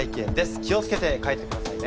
気を付けて帰ってくださいね。